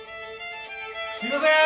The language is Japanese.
すいません！